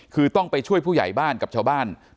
คือต้องไปช่วยผู้หญ่บ้านอากาศกับชาวบ้านอาหาร